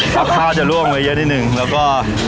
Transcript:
ข้าวจะล่วงไว้เยอะนิดนึงแล้วก็